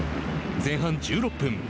前半１６分。